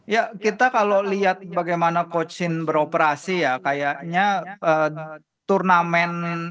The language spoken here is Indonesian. ya kita kalau lihat bagaimana coach in beroperasi ya kayaknya turnamen